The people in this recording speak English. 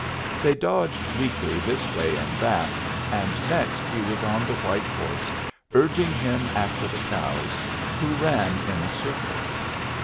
They dodged weakly this way and that, and next he was on the white horse urging him after the cows, who ran in a circle.